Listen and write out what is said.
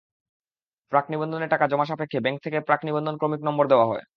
প্রাক-নিবন্ধনের টাকা জমা সাপেক্ষে ব্যাংক থেকে প্রাক-নিবন্ধন ক্রমিক নম্বর দেওয়া হয়।